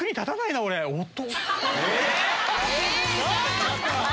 ⁉ちょっと！